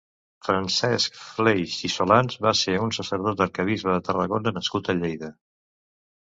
Francesc Fleix i Solans va ser un sacerdot, arquebisbe de Tarragona nascut a Lleida.